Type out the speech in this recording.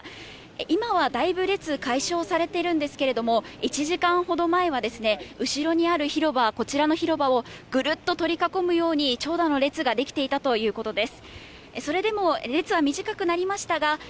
今はだいぶ列が解消されているんですけれども、１時間ほど前は後ろにある広場、こちらの広場をグルっと取り囲むように長蛇の列ができていたということです。